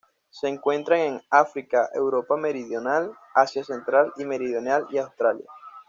Se encuentran en África, Europa meridional, Asia central y meridional y Australia.